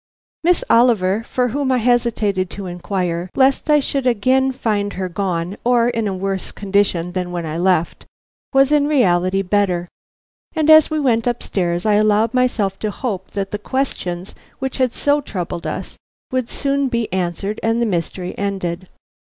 Miss Oliver, for whom I hesitated to inquire, lest I should again find her gone or in a worse condition than when I left, was in reality better, and as we went up stairs I allowed myself to hope that the questions which had so troubled us would soon be answered and the mystery ended.